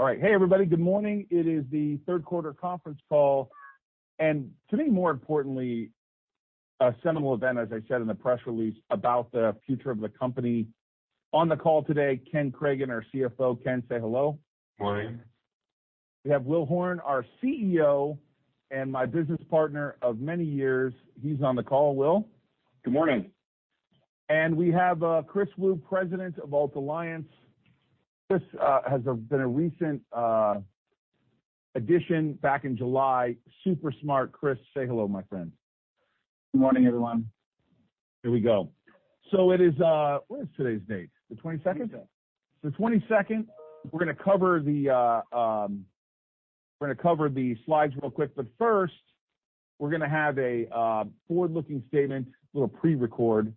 All right. Hey, everybody. Good morning. It is the third quarter conference call, and to me, more importantly, a seminal event, as I said in the press release, about the future of the company. On the call today, Ken Cragun, our CFO. Ken, say hello. Morning. We have Will Horn, our CEO, and my business partner of many years. He's on the call. Will? Good morning. We have Chris Wu, President of Ault Alliance. Chris has been a recent addition back in July. Super smart. Chris, say hello, my friend. Good morning, everyone. Here we go. It is. What is today's date? The twenty-second? The 22nd. 22nd. We're gonna cover the slides real quick. First, we're gonna have a forward-looking statement, little pre-record,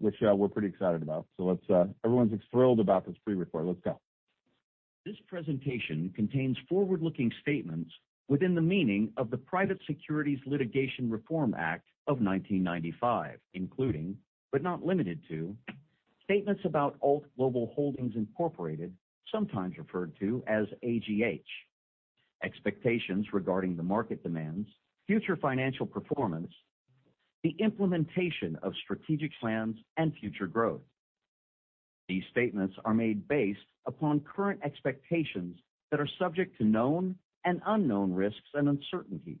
which we're pretty excited about. Let's. Everyone's thrilled about this pre-record. Let's go. This presentation contains forward-looking statements within the meaning of the Private Securities Litigation Reform Act of 1995, including, but not limited to, statements about Ault Global Holdings Incorporated, sometimes referred to as AGH, expectations regarding the market demands, future financial performance, the implementation of strategic plans, and future growth. These statements are made based upon current expectations that are subject to known and unknown risks and uncertainties.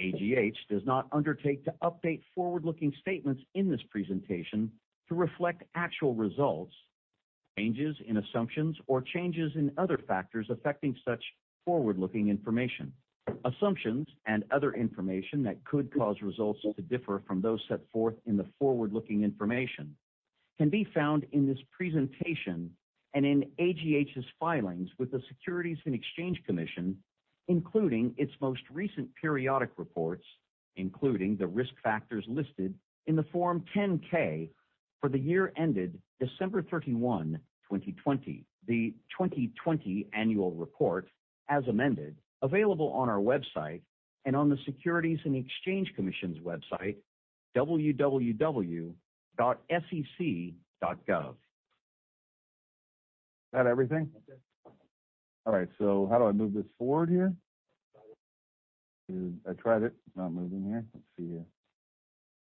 AGH does not undertake to update forward-looking statements in this presentation to reflect actual results, changes in assumptions, or changes in other factors affecting such forward-looking information. Assumptions and other information that could cause results to differ from those set forth in the forward-looking information can be found in this presentation and in AGH's filings with the Securities and Exchange Commission, including its most recent periodic reports, including the risk factors listed in the Form 10-K for the year ended December 31, 2020. The 2020 annual report, as amended, is available on our website and on the Securities and Exchange Commission's website, www.sec.gov. Is that everything? That's it. So how do i move this forward here? And I tried it, not moving here. Let's see here.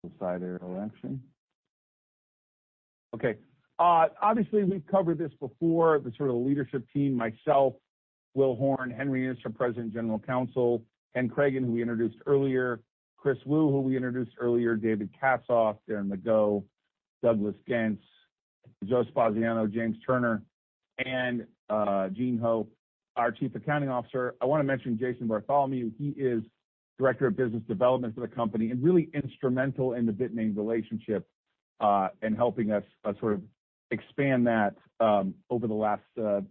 We'll slider election. Okay, obviously, we've covered this before, the sort of leadership team, myself, Will Horn, Henry Nisser, President and General Counsel, Ken Cragun, who we introduced earlier, Chris Wu, who we introduced earlier, David Katzoff, Darren McGeough, Douglas Gintz, Joseph Spak, James Toner, and Jean Ho, our Chief Accounting Officer. I want to mention Jason Bartholomew. He is Director of Business Development for the company and really instrumental in the Bitmain relationship in helping us sort of expand that over the last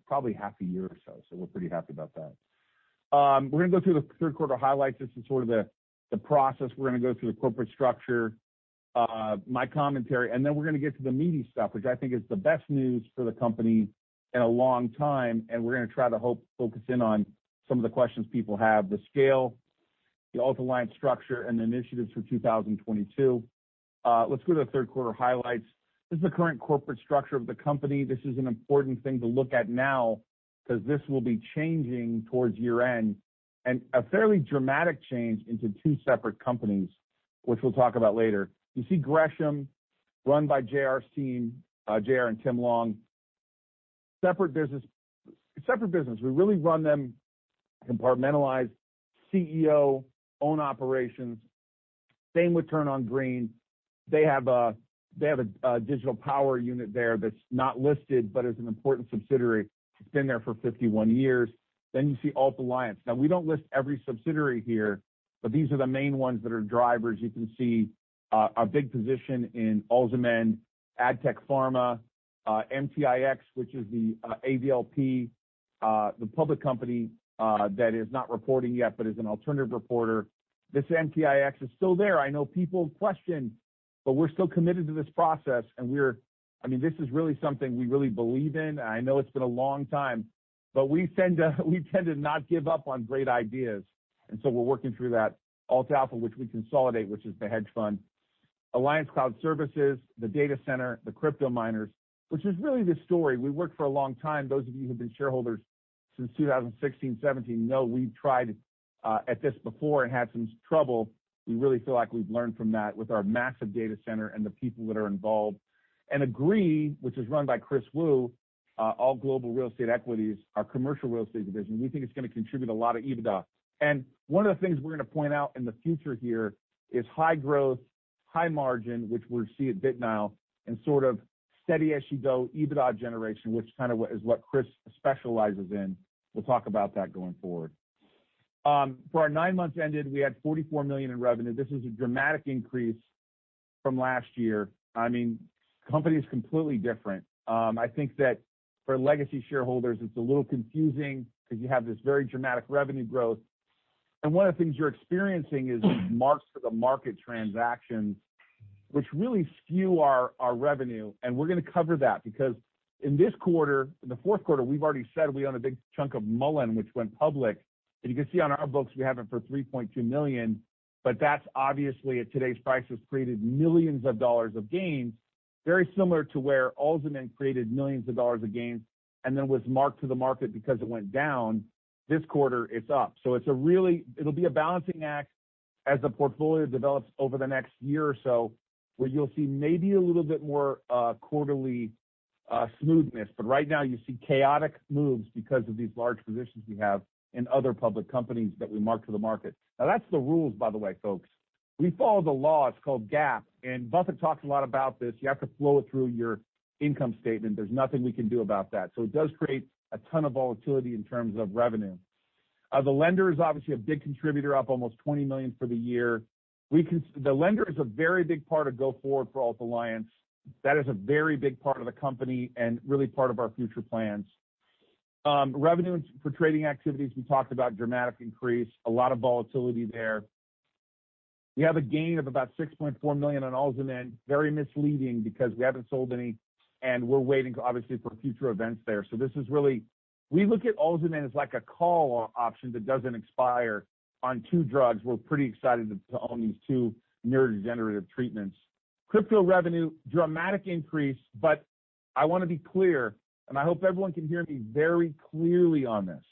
probably half a year or so. We're pretty happy about that. We're gonna go through the third quarter highlights. This is sort of the process. We're gonna go through the corporate structure, my commentary, and then we're gonna get to the meaty stuff, which I think is the best news for the company in a long time, and we're gonna try to focus in on some of the questions people have, the scale, the Ault Alliance structure, and initiatives for 2022. Let's go to the third quarter highlights. This is the current corporate structure of the company. This is an important thing to look at now because this will be changing towards year-end, and a fairly dramatic change into two separate companies, which we'll talk about later. You see Gresham, run by JR's team, JR and Tim Long. Separate business. We really run them compartmentalized, CEO, own operations. Same with TurnOnGreen. They have a digital power unit there that's not listed but is an important subsidiary. It's been there for 51 years. Then you see Ault Alliance. Now, we don't list every subsidiary here, but these are the main ones that are drivers. You can see a big position in Alzamend, Adtech Pharma, MTIX, which is the AVLP, the public company that is not reporting yet but is an alternative reporter. This MTIX is still there. I know people question, but we're still committed to this process, and we're. I mean, this is really something we really believe in. I know it's been a long time, but we tend to not give up on great ideas. We're working through that. Alt Alpha Capital, which we consolidate, which is the hedge fund. Alliance Cloud Services, the data center, the crypto miners, which is really the story. We worked for a long time. Those of you who have been shareholders since 2016, 2017 know we've tried at this before and had some trouble. We really feel like we've learned from that with our massive data center and the people that are involved. Agree, which is run by Chris Wu, Ault Global Real Estate Equities, our commercial real estate division. We think it's gonna contribute a lot of EBITDA. One of the things we're gonna point out in the future here is high growth, high margin, which we see at BitNile, and sort of steady-as-she-go EBITDA generation, which is what Chris specializes in. We'll talk about that going forward. For our nine months ended, we had $44 million in revenue. This is a dramatic increase from last year. I mean, company is completely different. I think that for legacy shareholders, it's a little confusing because you have this very dramatic revenue growth. One of the things you're experiencing is mark-to-market transactions, which really skew our revenue. We're gonna cover that because in this quarter, in the fourth quarter, we've already said we own a big chunk of Mullen, which went public. You can see on our books, we have it for $3.2 million. That's obviously, at today's price, has created millions of dollars of gains, very similar to where Alzamend created millions of dollars of gains and then was marked to the market because it went down. This quarter, it's up. It's a balancing act as the portfolio develops over the next year or so, where you'll see maybe a little bit more quarterly smoothness. Right now, you see chaotic moves because of these large positions we have in other public companies that we mark to the market. That's the rules, by the way, folks. We follow the law, it's called GAAP, and Buffett talks a lot about this. You have to flow it through your income statement. There's nothing we can do about that. It does create a ton of volatility in terms of revenue. The lender is obviously a big contributor, up almost $20 million for the year. The lender is a very big part of go forward for Ault Alliance. That is a very big part of the company and really part of our future plans. Revenue for trading activities, we talked about dramatic increase, a lot of volatility there. We have a gain of about $6.4 million on Alzamend, very misleading because we haven't sold any, and we're waiting obviously for future events there. This is really. We look at Alzamend as like a call option that doesn't expire on two drugs. We're pretty excited to own these two neurodegenerative treatments. Crypto revenue, dramatic increase, but I wanna be clear, and I hope everyone can hear me very clearly on this.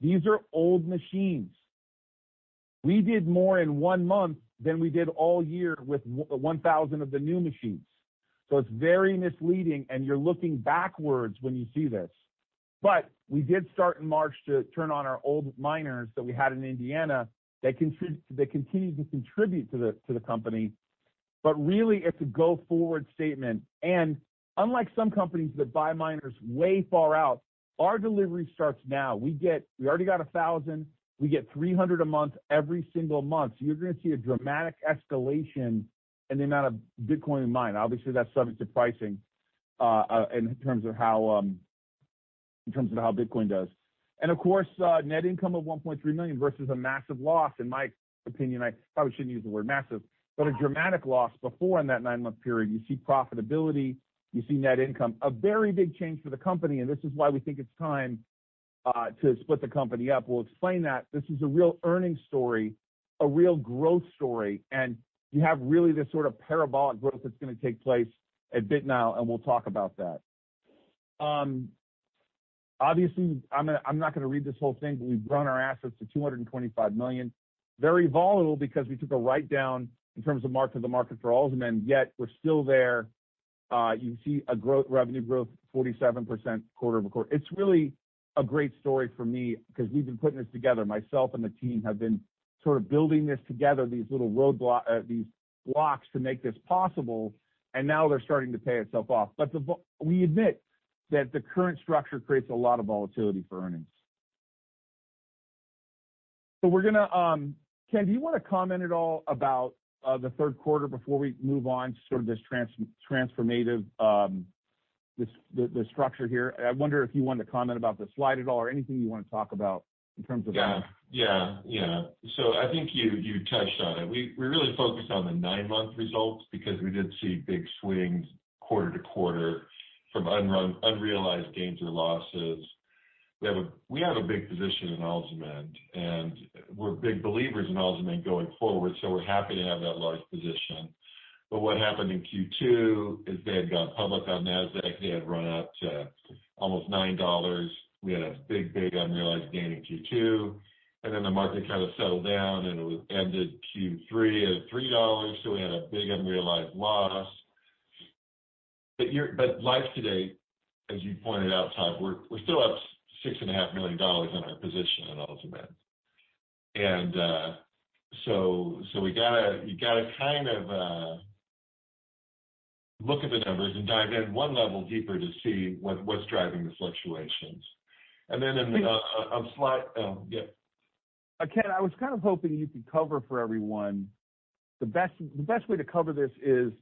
These are old machines. We did more in one month than we did all year with 1,000 of the new machines. It's very misleading and you're looking backwards when you see this. We did start in March to turn on our old miners that we had in Indiana that continue to contribute to the company. Really, it's a go-forward statement. Unlike some companies that buy miners way far out, our delivery starts now. We already got 1,000. We get 300 a month every single month. You're gonna see a dramatic escalation in the amount of Bitcoin mined. Obviously, that's subject to pricing in terms of how Bitcoin does. Of course, net income of $1.3 million versus a massive loss, in my opinion. I probably shouldn't use the word massive, but a dramatic loss before in that nine-month period. You see profitability, you see net income, a very big change for the company, and this is why we think it's time to split the company up. We'll explain that. This is a real earnings story, a real growth story, and you have really this sort of parabolic growth that's gonna take place at BitNile, and we'll talk about that. Obviously, I'm not gonna read this whole thing, but we've grown our assets to $225 million. Very volatile because we took a write-down in terms of mark-to-market for Alzamend, yet we're still there. You can see revenue growth 47% quarter-over-quarter. It's really a great story for me 'cause we've been putting this together. Myself and the team have been sort of building this together, these little blocks to make this possible, and now they're starting to pay itself off. We admit that the current structure creates a lot of volatility for earnings. We're gonna, Ken, do you wanna comment at all about the third quarter before we move on to sort of this transformative structure here? I wonder if you want to comment about the slide at all or anything you wanna talk about in terms of that. Yeah. I think you touched on it. We really focused on the nine-month results because we did see big swings quarter-to-quarter from unrealized gains or losses. We have a big position in Alzamend, and we're big believers in Alzamend going forward, so we're happy to have that large position. What happened in Q2 is they had gone public on Nasdaq. They had run up to almost $9. We had a big unrealized gain in Q2, and then the market kind of settled down and it ended Q3 at $3, so we had a big unrealized loss. Life to date, as you pointed out, Todd, we're still up $6.5 million on our position in Alzamend. We gotta, you gotta kind of look at the numbers and dive in one level deeper to see what's driving the fluctuations in the slide. Oh, yeah. Ken, I was kind of hoping you could cover for everyone. The best way to cover this is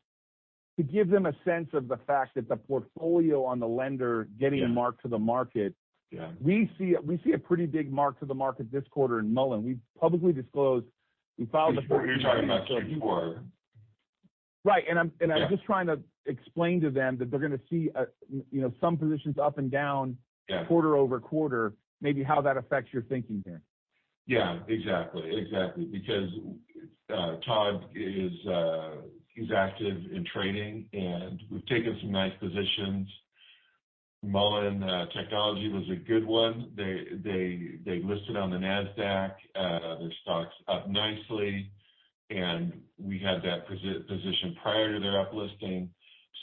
to give them a sense of the fact that the portfolio on the lender getting marked to the market. Yeah. We see a pretty big mark-to-market this quarter in Mullen. We've publicly disclosed. We filed- You're talking about Q4. Right. I'm just trying to explain to them that they're gonna see, you know, some positions up and down. Yeah. Quarter-over-quarter, maybe how that affects your thinking here. Yeah, exactly. Because Todd is, he's active in trading, and we've taken some nice positions. Mullen Automotive was a good one. They listed on the Nasdaq. Their stock's up nicely, and we had that position prior to their uplisting.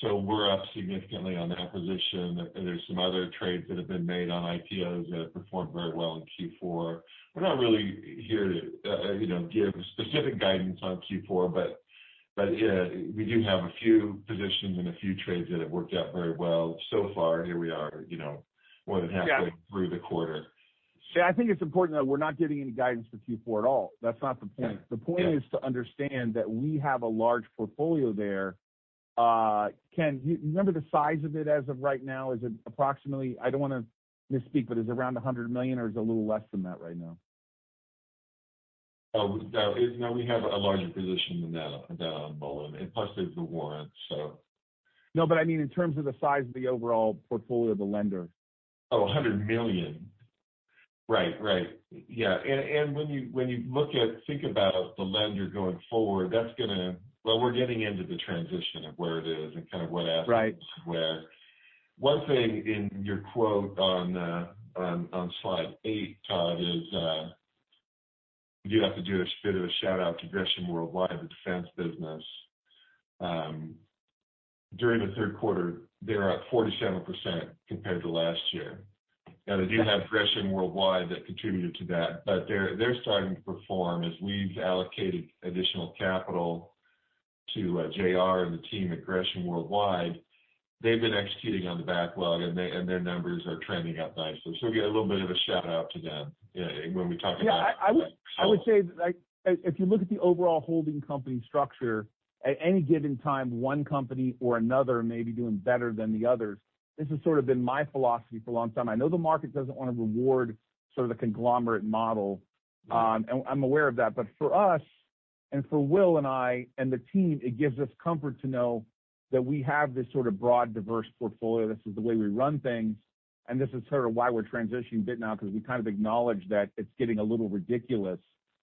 We're up significantly on that position. There's some other trades that have been made on IPOs that have performed very well in Q4. We're not really here to, you know, give specific guidance on Q4, but yeah, we do have a few positions and a few trades that have worked out very well so far. Here we are, you know, more than halfway through the quarter. Yeah. I think it's important that we're not giving any guidance for Q4 at all. That's not the point. Yeah. The point is to understand that we have a large portfolio there. Ken, you remember the size of it as of right now? Is it approximately, I don't wanna misspeak, but is it around $100 million or is it a little less than that right now? No, we have a large and that on Mullen. Plus there's the warrants, so. No, but I mean in terms of the size of the overall portfolio of the lender. Oh, $100 million. Right. Yeah. When you think about the lender going forward, that's gonna. Well, we're getting into the transition of where it is and kind of what assets. Right. One thing in your quote on slide 8, Todd, is you have to do a bit of a shout out to Gresham Worldwide, the defense business. During the third quarter, they're up 47% compared to last year. Now, they do have Gresham Worldwide that contributed to that, but they're starting to perform as we've allocated additional capital to JR and the team at Gresham Worldwide. They've been executing on the backlog, and their numbers are trending up nicely. Yeah, a little bit of a shout out to them when we talk about that. Yeah. I would say, like, if you look at the overall holding company structure, at any given time, one company or another may be doing better than the others. This has sort of been my philosophy for a long time. I know the market doesn't want to reward sort of the conglomerate model. I'm aware of that. For us and for Will and I and the team, it gives us comfort to know that we have this sort of broad, diverse portfolio. This is the way we run things, and this is sort of why we're transitioning BitNile because we kind of acknowledge that it's getting a little ridiculous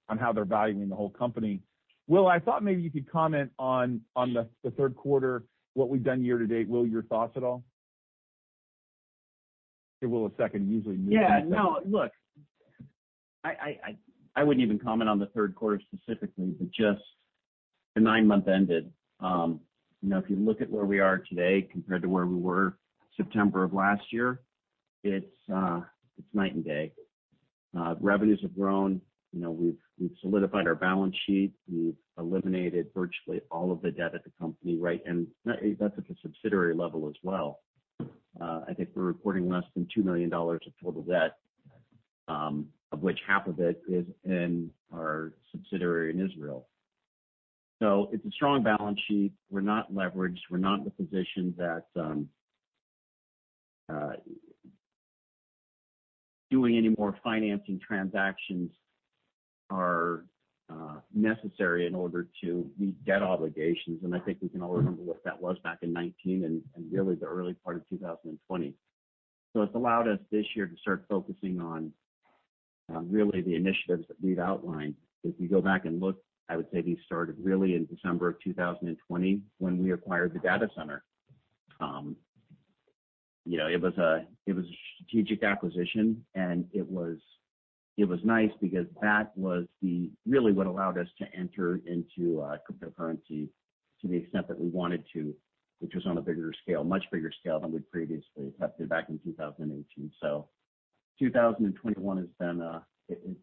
on how they're valuing the whole company. Will, I thought maybe you could comment on the third quarter, what we've done year-to-date. Will, your thoughts at all? Give Will a second. Yeah. No, look, I wouldn't even comment on the third quarter specifically, but just the nine-month ended. You know, if you look at where we are today compared to where we were September of last year, it's night and day. Revenues have grown. You know, we've solidified our balance sheet. We've eliminated virtually all of the debt at the company, right? That's at the subsidiary level as well. I think we're reporting less than $2 million of total debt, of which half of it is in our subsidiary in Israel. So it's a strong balance sheet. We're not leveraged. We're not in a position that doing any more financing transactions are necessary in order to meet debt obligations. I think we can all remember what that was back in 2019 and really the early part of 2020. It's allowed us this year to start focusing on really the initiatives that we've outlined. If you go back and look, I would say these started really in December of 2020 when we acquired the data center. You know, it was a strategic acquisition, and it was nice because that was really what allowed us to enter into cryptocurrency to the extent that we wanted to, which was on a bigger scale, much bigger scale than we'd previously tested back in 2018. 2021 has been,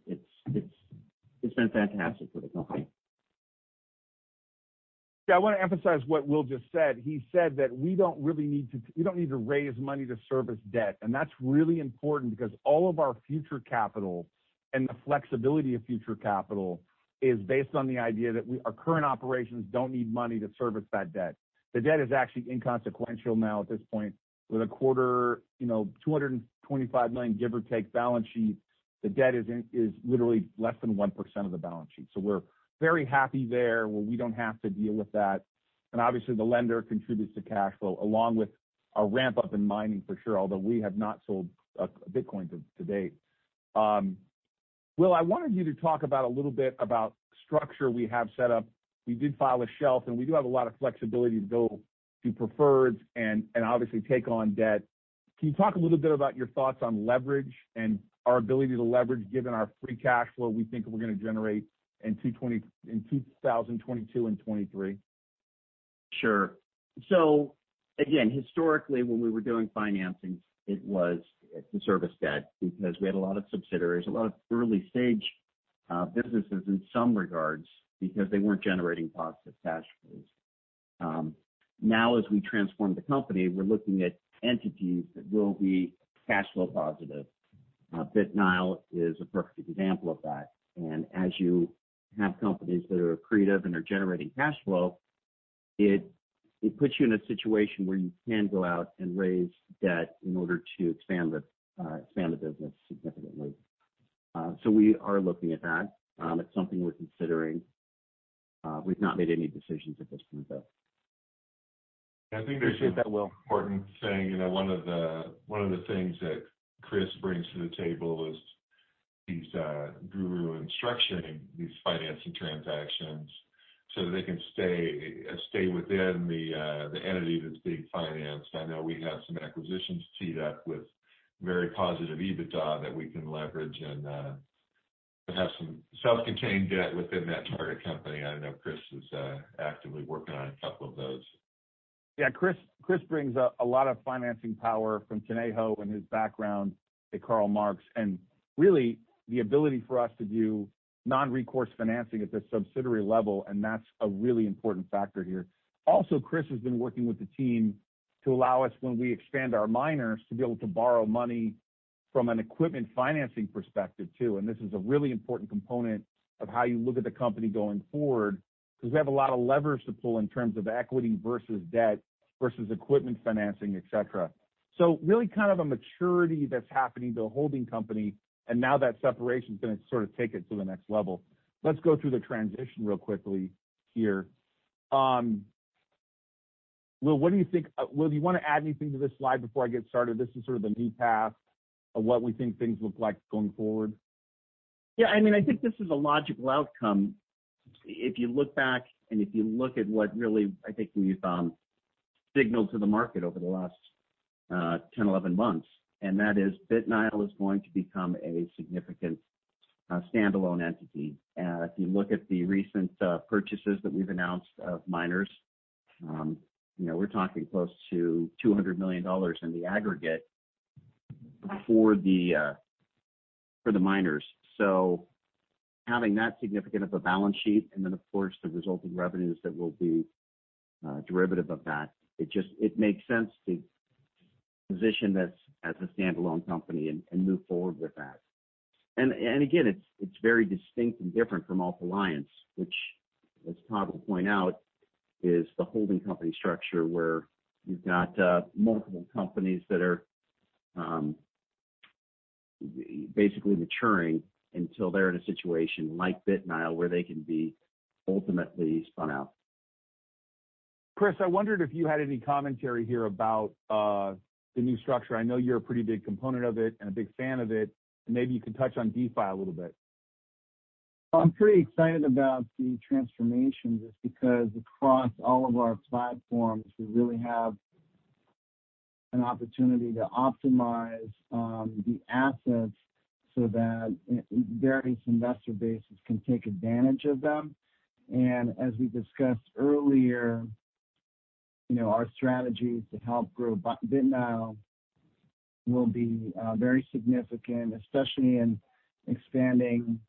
it's been fantastic for the company. Yeah. I want to emphasize what Will just said. He said that we don't need to raise money to service debt. That's really important because all of our future capital and the flexibility of future capital is based on the idea that our current operations don't need money to service that debt. The debt is actually inconsequential now at this point. With a quarter, you know, $225 million, give or take, balance sheet, the debt is literally less than 1% of the balance sheet. So we're very happy there, where we don't have to deal with that. Obviously the lender contributes to cash flow along with our ramp-up in mining for sure, although we have not sold bitcoins to date. Will, I wanted you to talk about a little bit about structure we have set up. We did file a shelf, and we do have a lot of flexibility to go to preferreds and obviously take on debt. Can you talk a little bit about your thoughts on leverage and our ability to leverage given our free cash flow we think we're going to generate in 2022 and 2023? Sure. Again, historically when we were doing financings, it was to service debt because we had a lot of subsidiaries, a lot of early-stage businesses in some regards because they weren't generating positive cash flows. Now as we transform the company, we're looking at entities that will be cash flow positive. BitNile is a perfect example of that. As you have companies that are accretive and are generating cash flow, it puts you in a situation where you can go out and raise debt in order to expand the business significantly. We are looking at that. It's something we're considering. We've not made any decisions at this point, though. Appreciate that, Will. I think there's an important thing. You know, one of the things that Chris Wu brings to the table is he's a guru in structuring these financing transactions so they can stay within the entity that's being financed. I know we have some acquisitions teed up with very positive EBITDA that we can leverage and have some self-contained debt within that target company. I know Chris Wu is actively working on a couple of those. Yeah. Chris brings up a lot of financing power from Teneo and his background at Karl Marx, and really the ability for us to do non-recourse financing at the subsidiary level, and that's a really important factor here. Also, Chris has been working with the team to allow us, when we expand our miners, to be able to borrow money from an equipment financing perspective too. This is a really important component of how you look at the company going forward, because we have a lot of levers to pull in terms of equity versus debt versus equipment financing, et cetera. Really kind of a maturity that's happening to a holding company, and now that separation is going to sort of take it to the next level. Let's go through the transition real quickly here. Will, do you want to add anything to this slide before I get started? This is sort of the new path of what we think things look like going forward. Yeah. I mean, I think this is a logical outcome. If you look back and if you look at what really, I think we've signaled to the market over the last 10, 11 months, and that is BitNile is going to become a significant standalone entity. If you look at the recent purchases that we've announced of miners, you know, we're talking close to $200 million in the aggregate for the miners. So having that significant of a balance sheet and then of course the resulting revenues that will be derivative of that, it just makes sense to position this as a standalone company and move forward with that. Again, it's very distinct and different from Ault Alliance, which, as Todd will point out, is the holding company structure where you've got multiple companies that are basically maturing until they're in a situation like BitNile where they can be ultimately spun out. Chris, I wondered if you had any commentary here about the new structure. I know you're a pretty big component of it and a big fan of it, and maybe you could touch on DeFi a little bit. I'm pretty excited about the transformation just because across all of our platforms, we really have an opportunity to optimize the assets so that various investor bases can take advantage of them. As we discussed earlier, you know, our strategy to help grow BitNile will be very significant, especially in expanding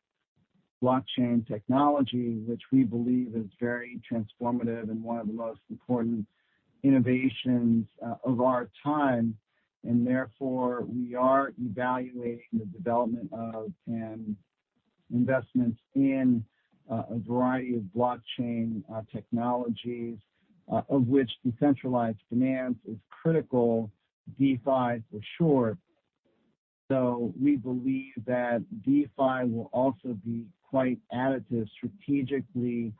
blockchain technology, which we believe is very transformative and one of the most important innovations of our time. Therefore, we are evaluating the development of and investments in a variety of blockchain technologies, of which decentralized finance is critical, DeFi for short. We believe that DeFi will also be quite additive strategically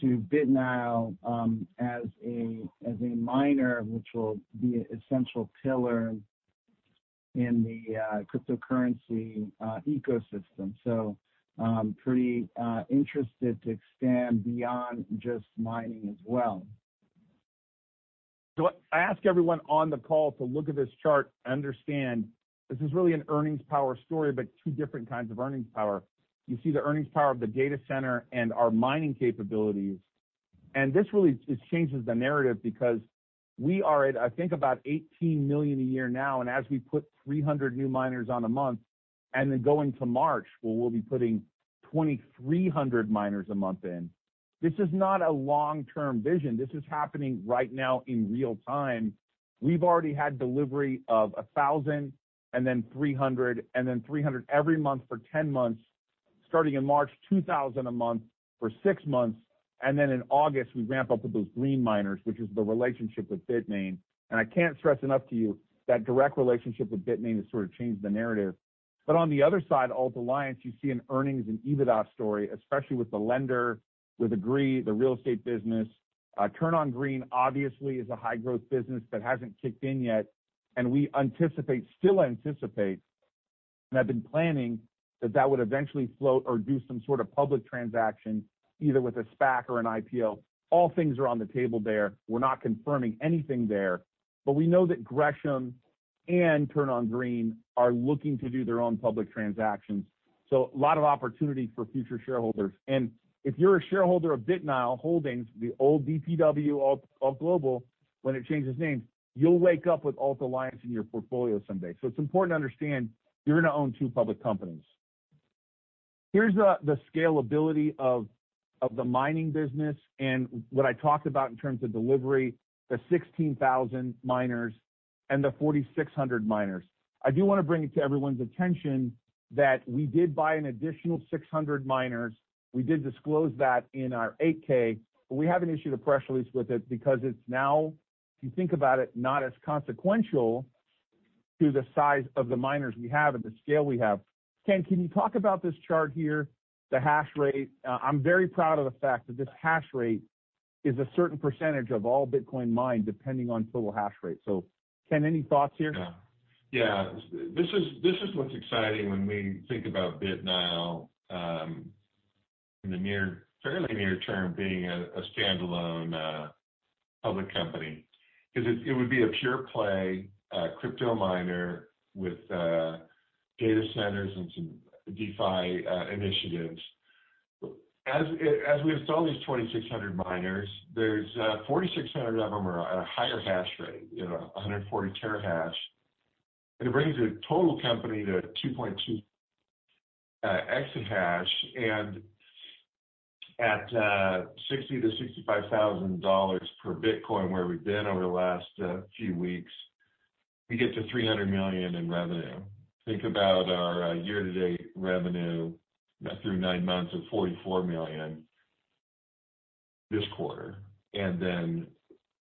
to BitNile as a miner, which will be an essential pillar in the cryptocurrency ecosystem. Pretty interested to expand beyond just mining as well. I ask everyone on the call to look at this chart and understand this is really an earnings power story, but two different kinds of earnings power. You see the earnings power of the data center and our mining capabilities. This really, this changes the narrative because we are at, I think about $18 million a year now, and as we put 300 new miners on a month, and then going to March, where we'll be putting 2,300 miners a month in. This is not a long-term vision. This is happening right now in real time. We've already had delivery of 1,000 and then 300, and then 300 every month for 10 months. Starting in March, 2,000 a month for six months. Then in August, we ramp up with those green miners, which is the relationship with Bitmain. I can't stress enough to you that direct relationship with Bitmain has sort of changed the narrative. On the other side, Ault Alliance, you see an earnings and EBITDA story, especially with the lender, with Agree, the real estate business. TurnOnGreen obviously is a high-growth business that hasn't kicked in yet. We anticipate, still anticipate, and have been planning that would eventually float or do some sort of public transaction, either with a SPAC or an IPO. All things are on the table there. We're not confirming anything there. We know that Gresham and TurnOnGreen are looking to do their own public transactions. A lot of opportunity for future shareholders. If you're a shareholder of BitNile Holdings, the old BPW Ault Global when it changes names, you'll wake up with Ault Alliance in your portfolio someday. It's important to understand you're going to own two public companies. Here's the scalability of the mining business and what I talked about in terms of delivery, the 16,000 miners and the 4,600 miners. I do want to bring it to everyone's attention that we did buy an additional 600 miners. We did disclose that in our 8-K. We haven't issued a press release with it because it's now, if you think about it, not as consequential to the size of the miners we have and the scale we have. Ken, can you talk about this chart here, the hash rate? I'm very proud of the fact that this hash rate is a certain percentage of all Bitcoin mined depending on total hash rate. Ken, any thoughts here? Yeah. This is what's exciting when we think about BitNile in the near, fairly near term being a standalone public company. 'Cause it would be a pure play crypto miner with data centers and some DeFi initiatives. As we install these 2,600 miners, there's 4,600 of them are at a higher hash rate, you know, 140 terahash. It brings the total company to 2.2 exahash. At $60,000-$65,000 per Bitcoin, where we've been over the last few weeks, we get to $300 million in revenue. Think about our year-to-date revenue through nine months of $44 million this quarter.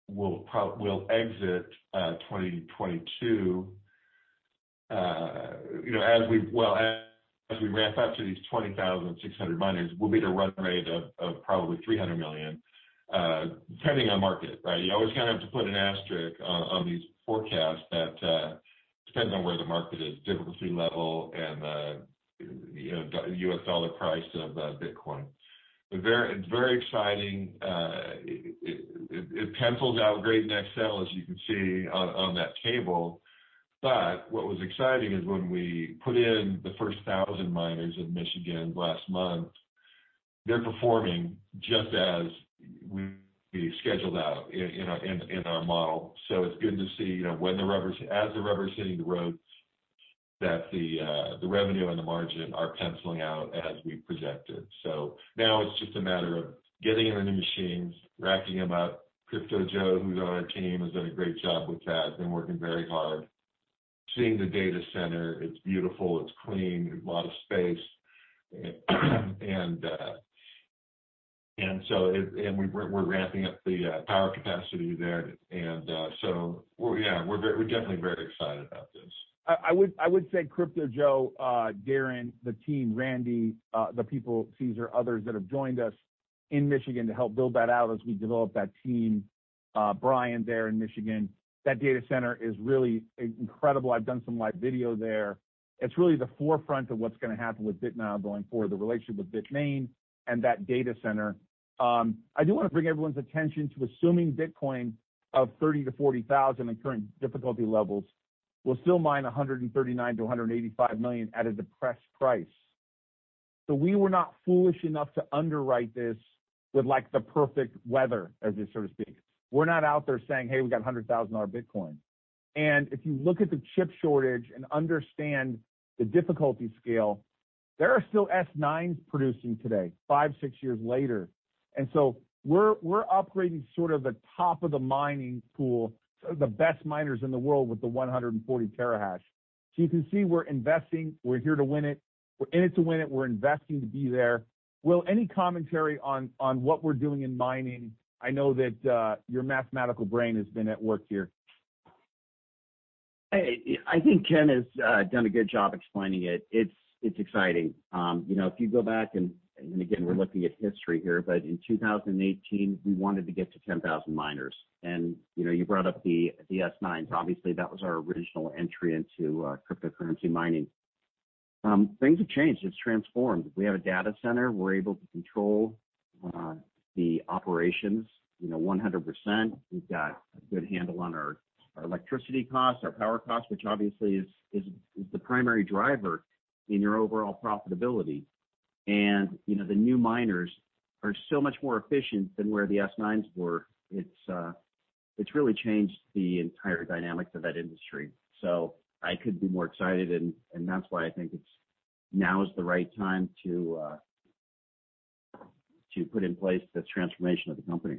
We'll exit 2022. You know, well, as we ramp up to these 20,600 miners, we'll be at a run rate of probably $300 million, depending on market, right? You always kind of have to put an asterisk on these forecasts that depends on where the market is, difficulty level, and you know, the US dollar price of Bitcoin. It's very exciting. It pencils out great in Excel, as you can see on that table. What was exciting is when we put in the first 1,000 miners in Michigan last month, they're performing just as we scheduled out in our model. It's good to see, you know, when the rubber's hitting the road, that the revenue and the margin are penciling out as we projected. Now it's just a matter of getting in the new machines, racking them up. Crypto Joe, who's on our team, has done a great job with that, been working very hard. Seeing the data center, it's beautiful, it's clean, a lot of space. We're ramping up the power capacity there. Yeah, we're definitely very excited about this. I would say Crypto Joe, Darren, the team, Randy, the people, Caesar, others that have joined us in Michigan to help build that out as we develop that team, Brian there in Michigan, that data center is really incredible. I've done some live video there. It's really the forefront of what's gonna happen with BitNile going forward, the relationship with Bitmain and that data center. I do wanna bring everyone's attention to assuming Bitcoin of $30,000-$40,000 and current difficulty levels will still mine $139 million-$185 million at a depressed price. We were not foolish enough to underwrite this with, like, the perfect weather, as it so to speak. We're not out there saying, "Hey, we got a $100,000 Bitcoin." If you look at the chip shortage and understand the difficulty scale, there are still S9s producing today, five, six years later. We're upgrading sort of the top of the mining pool, so the best miners in the world with the 140 terahash. You can see we're investing. We're here to win it. We're in it to win it. We're investing to be there. Will, any commentary on what we're doing in mining? I know that your mathematical brain has been at work here. Hey, I think Ken has done a good job explaining it. It's exciting. You know, if you go back and again, we're looking at history here, but in 2018, we wanted to get to 10,000 miners. You know, you brought up the S9, so obviously that was our original entry into cryptocurrency mining. Things have changed. It's transformed. We have a data center. We're able to control the operations, you know, 100%. We've got a good handle on our electricity costs, our power costs, which obviously is the primary driver in your overall profitability. You know, the new miners are so much more efficient than where the S9s were. It's really changed the entire dynamics of that industry. I couldn't be more excited, and that's why I think now is the right time to put in place this transformation of the company.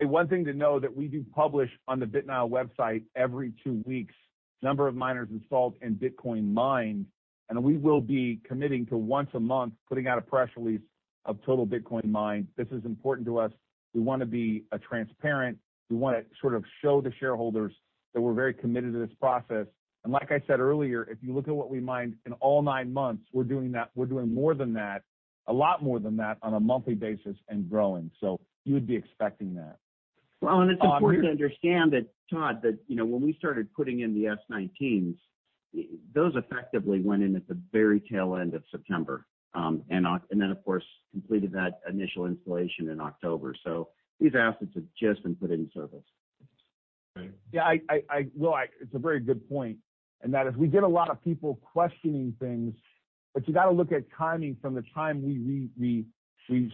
One thing to know that we do publish on the BitNile website every two weeks, number of miners installed and Bitcoin mined, and we will be committing to once a month, putting out a press release of total Bitcoin mined. This is important to us. We wanna be transparent. We wanna sort of show the shareholders that we're very committed to this process. Like I said earlier, if you look at what we mined in all nine months, we're doing that, we're doing more than that, a lot more than that on a monthly basis and growing. You would be expecting that. Well, it's important to understand that, Todd, you know, when we started putting in the S19s, those effectively went in at the very tail end of September, and then of course, completed that initial installation in October. These assets have just been put in service. Right. Yeah, well, it's a very good point. That is, we get a lot of people questioning things, but you gotta look at timing from the time we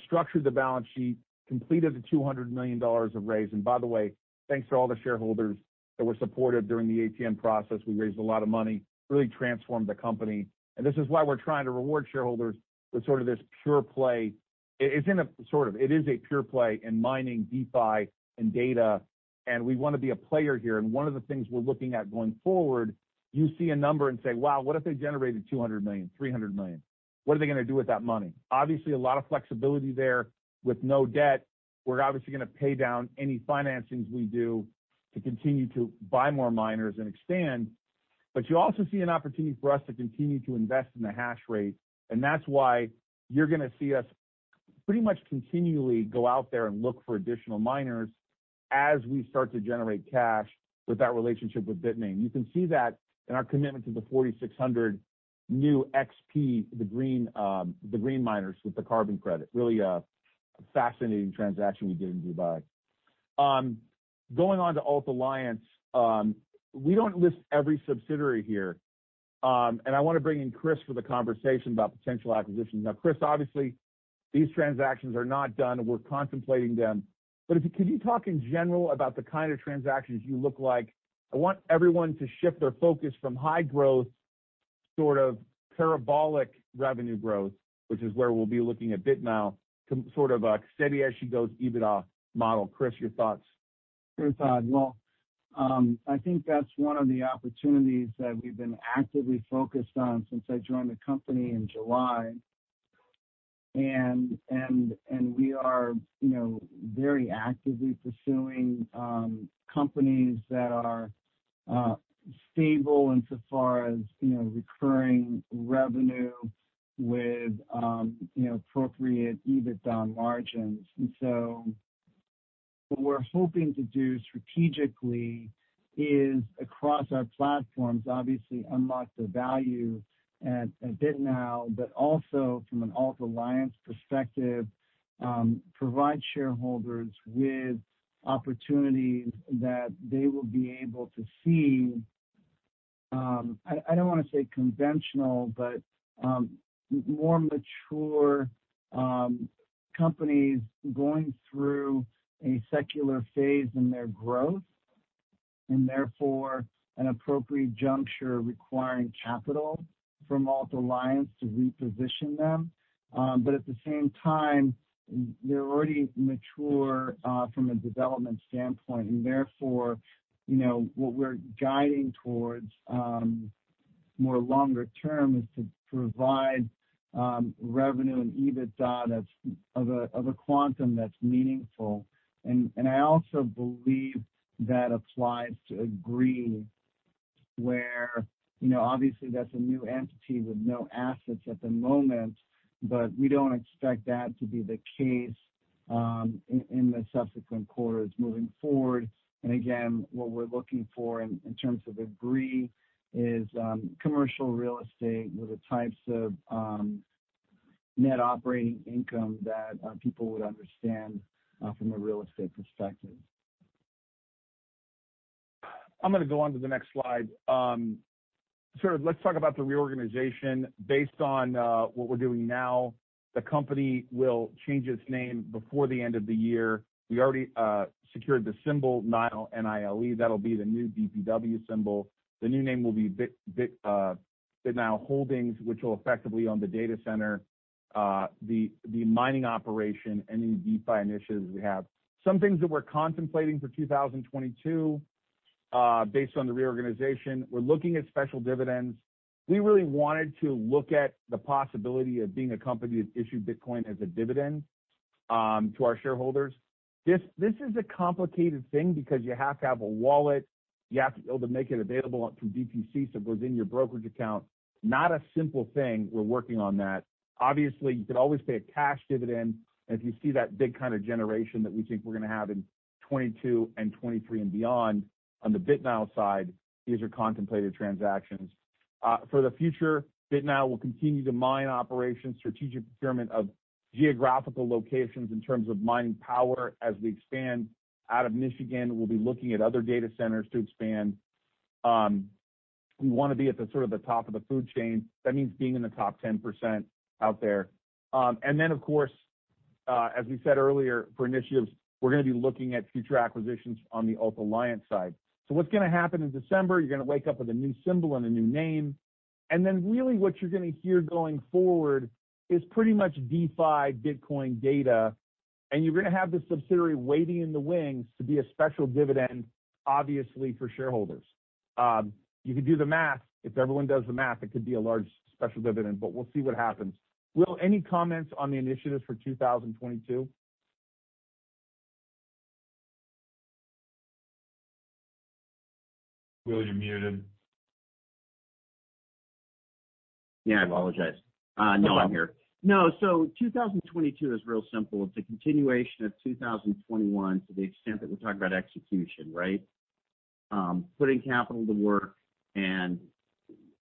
structured the balance sheet, completed the $200 million raise. By the way, thanks to all the shareholders that were supportive during the ATM process. We raised a lot of money, really transformed the company. This is why we're trying to reward shareholders with sort of this pure play. It is a pure play in mining, DeFi, and data, and we wanna be a player here. One of the things we're looking at going forward, you see a number and say, "Wow, what if they generated $200 million, $300 million? What are they gonna do with that money?" Obviously, a lot of flexibility there with no debt. We're obviously gonna pay down any financings we do to continue to buy more miners and expand. You also see an opportunity for us to continue to invest in the hash rate, and that's why you're gonna see us pretty much continually go out there and look for additional miners as we start to generate cash with that relationship with Bitmain. You can see that in our commitment to the 4,600 new XP, the green miners with the carbon credit. Really a fascinating transaction we did in Dubai. Going on to Ault Alliance, we don't list every subsidiary here. I wanna bring in Chris for the conversation about potential acquisitions. Now, Chris, obviously, these transactions are not done. We're contemplating them. Could you talk in general about the kind of transactions you look for? I want everyone to shift their focus from high growth, sort of parabolic revenue growth, which is where we'll be looking at BitNile, to sort of a steady-as-she-goes EBITDA model. Chris, your thoughts. Sure, Todd. Well, I think that's one of the opportunities that we've been actively focused on since I joined the company in July. We are, you know, very actively pursuing companies that are stable in so far as, you know, recurring revenue with appropriate EBITDA margins. What we're hoping to do strategically is across our platforms, obviously unlock the value at BitNile, but also from an Ault Alliance perspective, provide shareholders with opportunities that they will be able to see. I don't wanna say conventional, but more mature companies going through a secular phase in their growth and therefore an appropriate juncture requiring capital from Ault Alliance to reposition them. At the same time, they're already mature from a development standpoint and therefore you know what we're guiding towards more longer term is to provide revenue and EBITDA that's of a quantum that's meaningful. I also believe that applies to AGREE where you know obviously that's a new entity with no assets at the moment but we don't expect that to be the case in the subsequent quarters moving forward. What we're looking for in terms of AGREE is commercial real estate with the types of net operating income that people would understand from a real estate perspective. I'm gonna go on to the next slide. Sort of, let's talk about the reorganization. Based on what we're doing now, the company will change its name before the end of the year. We already secured the symbol NILE, NILE. That'll be the new BPW symbol. The new name will be BitNile Holdings, which will effectively own the data center, the mining operation, any DeFi initiatives we have. Some things that we're contemplating for 2022, based on the reorganization, we're looking at special dividends. We really wanted to look at the possibility of being a company that issued Bitcoin as a dividend to our shareholders. This is a complicated thing because you have to have a wallet. You have to be able to make it available through DTC, so it goes in your brokerage account. Not a simple thing. We're working on that. Obviously, you could always pay a cash dividend. If you see that big kind of generation that we think we're gonna have in 2022 and 2023 and beyond on the BitNile side, these are contemplated transactions. For the future, BitNile will continue the mining operations, strategic procurement of geographical locations in terms of mining power as we expand out of Michigan. We'll be looking at other data centers to expand. We wanna be at the sort of the top of the food chain. That means being in the top 10% out there. Then, of course, as we said earlier, for initiatives, we're gonna be looking at future acquisitions on the Ault Alliance side. What's gonna happen in December, you're gonna wake up with a new symbol and a new name. Then really what you're gonna hear going forward is pretty much DeFi Bitcoin data, and you're gonna have this subsidiary waiting in the wings to be a special dividend, obviously, for shareholders. You could do the math. If everyone does the math, it could be a large special dividend, but we'll see what happens. Will, any comments on the initiatives for 2022? Will, you're muted. Yeah, I apologize. No, I'm here. No, 2022 is real simple. It's a continuation of 2021 to the extent that we're talking about execution, right? Putting capital to work and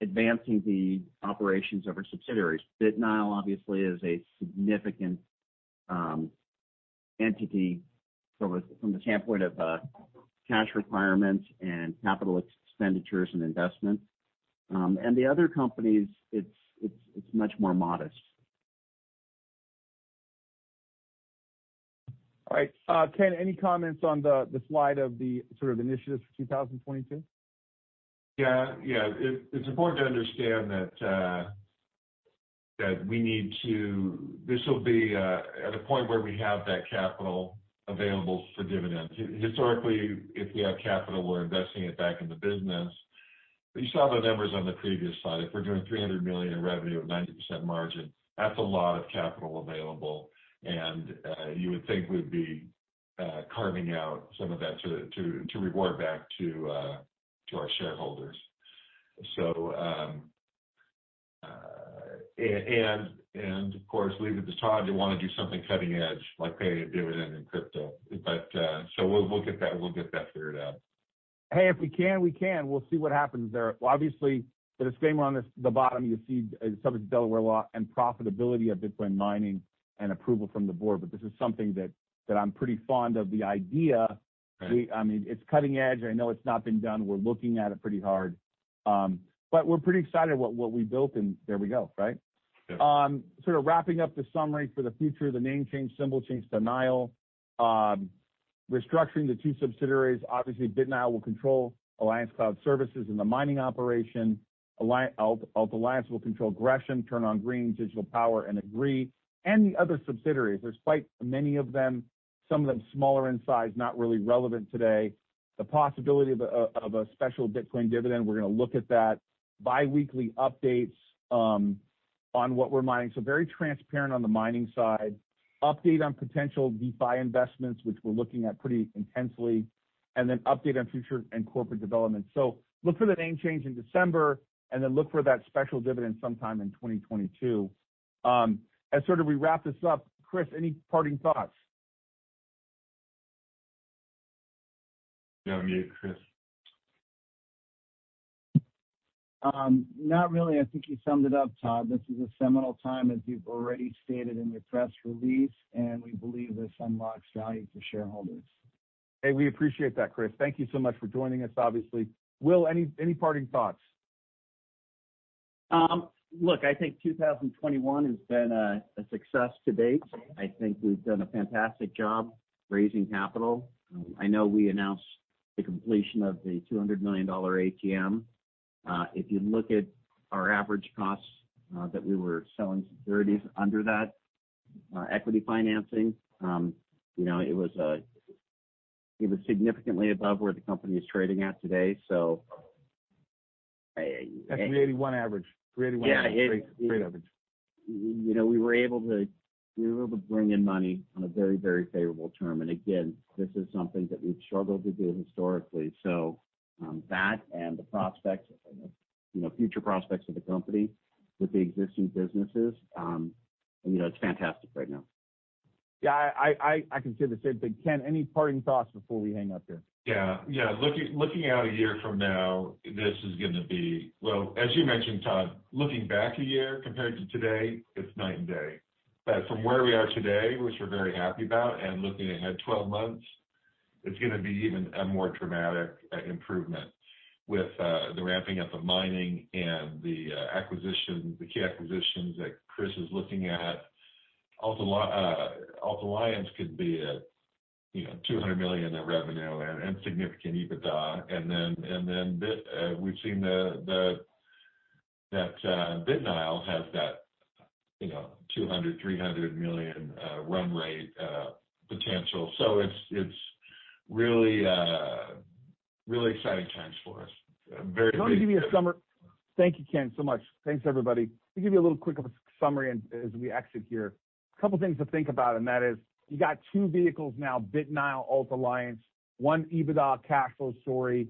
advancing the operations of our subsidiaries. BitNile obviously is a significant entity from the standpoint of cash requirements and capital expenditures and investments. The other companies, it's much more modest. All right. Ken, any comments on the slide of the sort of initiatives for 2022? Yeah. It's important to understand that this will be at a point where we have that capital available for dividends. Historically, if we have capital, we're investing it back in the business. But you saw the numbers on the previous slide. If we're doing $300 million in revenue at 90% margin, that's a lot of capital available. You would think we'd be carving out some of that to reward back to our shareholders. Of course, leave it to Todd to wanna do something cutting edge, like pay a dividend in crypto. We'll get that figured out. Hey, if we can, we can. We'll see what happens there. Obviously, the disclaimer on this, the bottom, you'll see subject to Delaware law and profitability of Bitcoin mining and approval from the board. This is something that I'm pretty fond of the idea. Right. I mean, it's cutting edge. I know it's not been done. We're looking at it pretty hard. But we're pretty excited what we built and there we go, right? Yeah. Sort of wrapping up the summary for the future, the name change, symbol change to NILE. Restructuring the two subsidiaries. Obviously, BitNile will control Alliance Cloud Services and the mining operation. Ault Alliance will control Gresham Worldwide, TurnOnGreen, Digital Power Corporation and Ault Global Real Estate Equities, and the other subsidiaries. There's quite many of them, some of them smaller in size, not really relevant today. The possibility of a special Bitcoin dividend. We're gonna look at that. Bi-weekly updates on what we're mining. Very transparent on the mining side. Update on potential DeFi investments, which we're looking at pretty intensely, and then update on future and corporate development. Look for the name change in December, and then look for that special dividend sometime in 2022. As sort of we wrap this up, Chris, any parting thoughts? You're on mute, Chris. Not really. I think you summed it up, Todd. This is a seminal time, as you've already stated in your press release, and we believe this unlocks value for shareholders. Hey, we appreciate that, Chris. Thank you so much for joining us, obviously. Will, any parting thoughts? Look, I think 2021 has been a success to date. I think we've done a fantastic job raising capital. I know we announced the completion of the $200 million ATM. If you look at our average costs that we were selling securities under that equity financing, you know, it was significantly above where the company is trading at today. That's the 81 average. Yeah. You know, we were able to bring in money on a very, very favorable term. Again, this is something that we've struggled to do historically. That and the prospects, you know, future prospects of the company with the existing businesses, you know, it's fantastic right now. Yeah. I can say the same thing. Ken, any parting thoughts before we hang up here? Looking out a year from now, this is gonna be. Well, as you mentioned, Todd, looking back a year compared to today, it's night and day. From where we are today, which we're very happy about, and looking ahead 12 months, it's gonna be even a more dramatic improvement with the ramping up of mining and the acquisition, the key acquisitions that Chris is looking at. Also, Ault Alliance could be a, you know, $200 million in revenue and significant EBITDA. And then we've seen that BitNile has that, you know, $200 million-$300 million run rate potential. So it's really exciting times for us. Very big. Let me give you a summary. Thank you, Ken, so much. Thanks, everybody. Let me give you a little quick of a summary as we exit here. A couple things to think about, and that is you got two vehicles now, BitNile, Ault Alliance. One EBITDA cash flow story.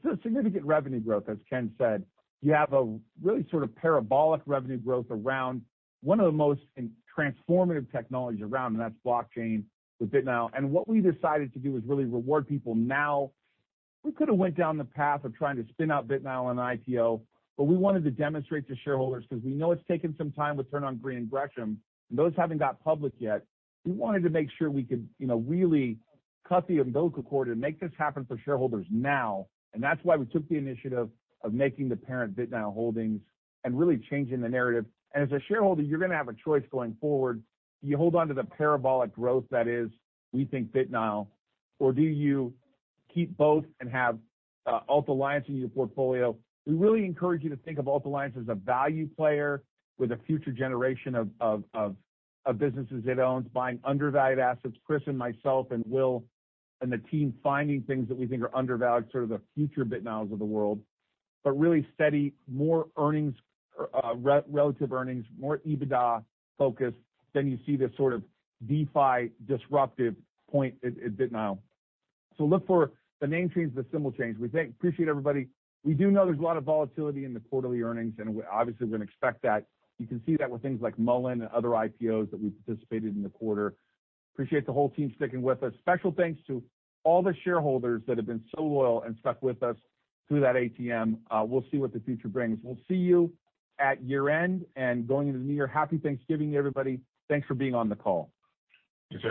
Still significant revenue growth, as Ken said. You have a really sort of parabolic revenue growth around one of the most transformative technologies around, and that's blockchain with BitNile. What we decided to do is really reward people now. We could have went down the path of trying to spin out BitNile on an IPO, but we wanted to demonstrate to shareholders, 'cause we know it's taken some time with TurnOnGreen and Gresham, and those haven't got public yet. We wanted to make sure we could, you know, really cut the umbilical cord and make this happen for shareholders now, and that's why we took the initiative of making the parent BitNile Holdings and really changing the narrative. As a shareholder, you're gonna have a choice going forward. Do you hold on to the parabolic growth that is, we think, BitNile, or do you keep both and have Ault Alliance in your portfolio? We really encourage you to think of Ault Alliance as a value player with a future generation of businesses it owns, buying undervalued assets. Chris and myself and Will and the team finding things that we think are undervalued, sort of the future BitNiles of the world, but really steady, more earnings, relative earnings, more EBITDA focus than you see the sort of DeFi disruptive point at BitNile. Look for the name change, the symbol change. We thank and appreciate everybody. We do know there's a lot of volatility in the quarterly earnings, and obviously we're gonna expect that. You can see that with things like Mullen and other IPOs that we participated in the quarter. Appreciate the whole team sticking with us. Special thanks to all the shareholders that have been so loyal and stuck with us through that ATM. We'll see what the future brings. We'll see you at year-end and going into the new year. Happy Thanksgiving, everybody. Thanks for being on the call. Thank you.